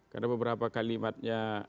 karena beberapa kalimatnya